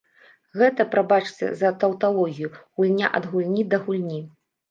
Гэта, прабачце за таўталогію, гульня ад гульні да гульні.